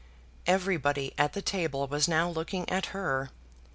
Everybody at the table was now looking at her.